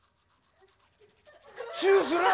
チューするん？